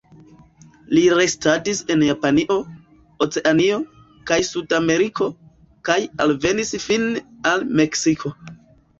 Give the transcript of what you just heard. Li restadis en Japanio, Oceanio kaj Sudameriko, kaj alvenis fine al Meksiko.